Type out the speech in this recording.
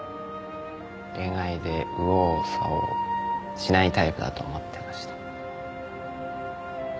恋愛で右往左往しないタイプだと思ってました。